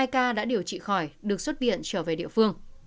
hai ca đã điều trị khỏi được xuất viện trở về địa phương